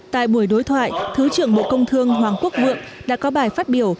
tại buổi đối thoại thứ trưởng bộ công thương hoàng quốc vượng đã có bài phát biểu